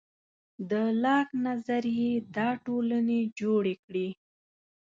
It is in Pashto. د لاک نظریې دا ټولنې جوړې کړې.